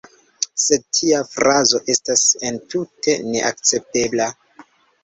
Sed tia frazo estas entute neakceptebla.